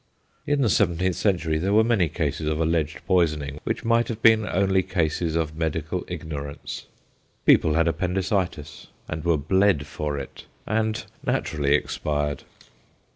In the seventeenth century there were many cases of alleged poisoning which might have been only cases of medical ignor ance. People had appendicitis and were bled for it, and naturally expired.